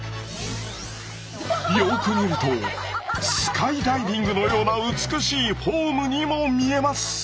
よく見るとスカイダイビングのような美しいフォームにも見えます。